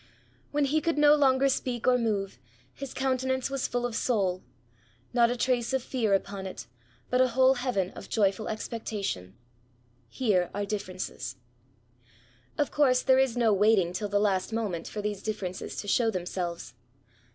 When he could no longer speak or move, his countenance was full of soul ; not a trace of fear upon it, but a whole heaven of joyful expectation. Here are differences I DEATH TO THE INVAUD. 121 Of course^ there is no waiting till the last moment for these differences to show themselves.